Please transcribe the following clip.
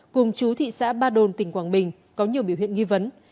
cùng chú thị xã ba đồn tỉnh quảng bình có nhiều biểu hiện nghi vấn